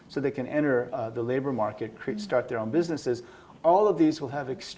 pekerja pembangunan manusia